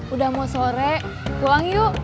udah mau sore uang yuk